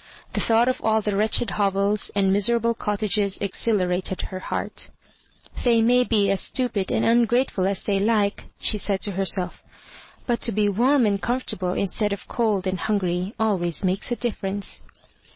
The thought of all the wretdied hovels and miserable cottajges exhilarated her heart " They may be as stupid and ungratefiil as they like," she said to herself, " but to be warm and com fortable instead' of cold and hungry always makes a difference.''